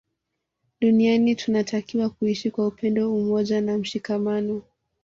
Duniani tunatakiwa kuishi kwa upendo umoja na mshikamano